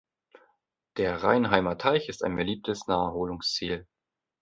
Der Reinheimer Teich ist ein beliebtes Naherholungsziel.